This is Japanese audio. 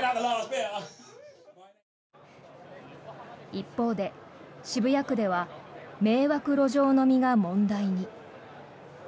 一方で、渋谷区では迷惑路上飲みが問題に。